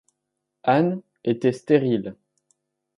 Anne était stérile.